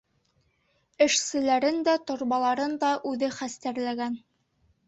Эшселәрен дә, торбаларын да үҙе хәстәрләгән.